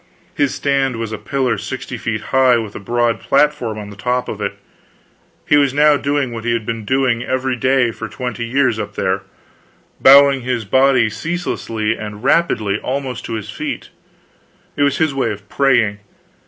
His stand was a pillar sixty feet high, with a broad platform on the top of it. He was now doing what he had been doing every day for twenty years up there bowing his body ceaselessly and rapidly almost to his feet. It was his way of praying.